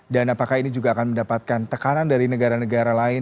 dan apakah ini juga akan mendapatkan tekanan dari negara negara lain